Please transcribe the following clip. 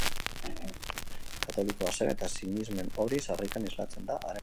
Katolikoa zen eta sinismen hori sarritan islatzen da haren lanetan.